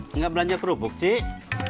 enggak belanja kerupuk cik